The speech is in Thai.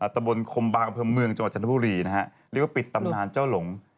ตะบนคมบางเผือเมืองจันทบุรีนะฮะเรียกว่าปิดตำนานเจ้าหลง